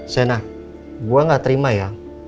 sena gue gak terima ya